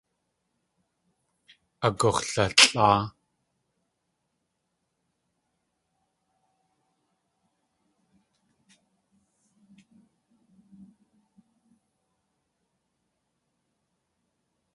Agux̲lalʼáa.